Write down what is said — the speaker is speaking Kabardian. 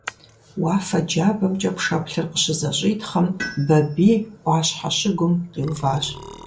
Уафэ джабэмкӀэ пшэплъыр къыщызэщӀитхъым, Бабий Ӏуащхьэ щыгум къиуващ.